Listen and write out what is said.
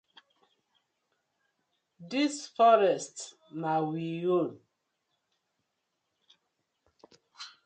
Dis forest na we own.